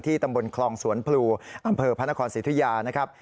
ตำบลคลองสวนพลูอำเภอพระนครสิทธิยานะครับ